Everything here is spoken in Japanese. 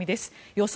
予想